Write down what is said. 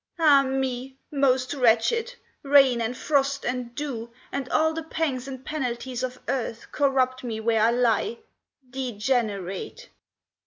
Ah, me! most wretched! rain and frost and dew And all the pangs and penalties of earth Corrupt me where I lie degenerate."